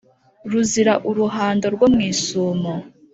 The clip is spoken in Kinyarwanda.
ruzira uruhando rwo mw’isumo